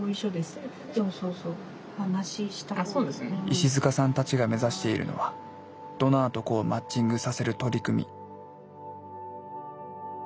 石塚さんたちが目指しているのはドナーと子をマッチングさせる取り組み。